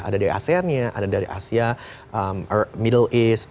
ada dari aseannya ada dari asia middle east